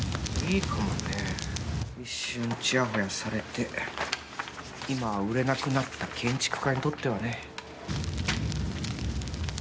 一瞬ちやほやされて、今は売れなくなった建築家にとってはね。